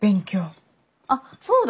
あっそうだ。